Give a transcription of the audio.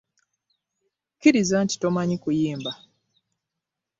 Kkiriza nti tomanyi kuyimba.